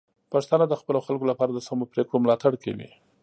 پښتانه د خپلو خلکو لپاره د سمو پریکړو ملاتړ کوي.